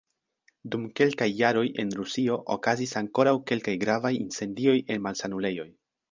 Dum kelkaj jaroj en Rusio okazis ankoraŭ kelkaj gravaj incendioj en malsanulejoj.